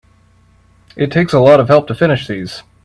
It takes a lot of help to finish these.